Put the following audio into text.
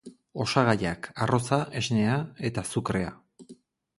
Osagaiak: Arroza, esnea eta azukrea.